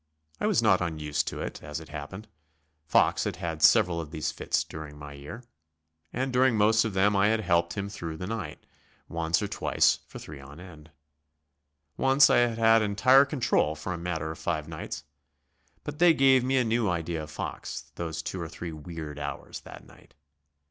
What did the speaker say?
I was not unused to it, as it happened. Fox had had several of these fits during my year, and during most of them I had helped him through the night; once or twice for three on end. Once I had had entire control for a matter of five nights. But they gave me a new idea of Fox, those two or three weird hours that night.